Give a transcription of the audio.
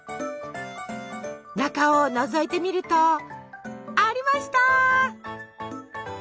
中をのぞいてみるとありました！